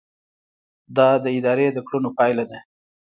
دا د ادارې د کړنو پایله ده.